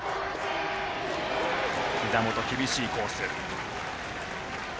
ひざ元、厳しいコース。